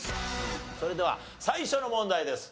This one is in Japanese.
それでは最初の問題です。